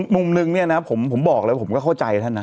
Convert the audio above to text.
มุมนึงผมบอกแล้วผมก็เข้าใจ